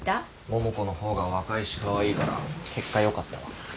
桃子の方が若いしカワイイから結果よかったわ。